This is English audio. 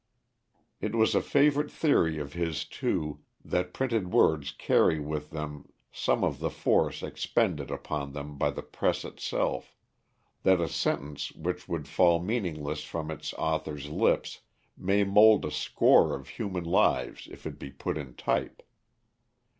It was a favorite theory of his, too, that printed words carry with them some of the force expended upon them by the press itself that a sentence which would fall meaningless from its author's lips may mold a score of human lives if it be put in type.